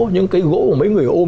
nhưng cái gỗ của mấy người ôm